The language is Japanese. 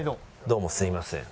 どうもすみません。